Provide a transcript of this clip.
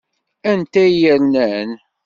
Anta i yernan?